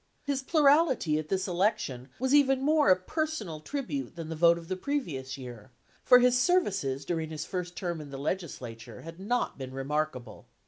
His plurality at this election was even more a personal tribute than the vote of the previous year, for his services during his first term in the legislature had not been remark able.